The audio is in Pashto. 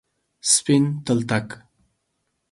سپین تلتک،